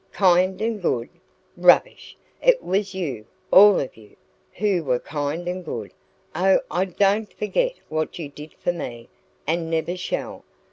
"Kind and good? Rubbish! It was you all of you who were kind and good. Oh, I don't forget what you did for me, and never shall.